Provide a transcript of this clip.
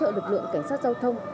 hỗ trợ lực lượng cảnh sát giao thông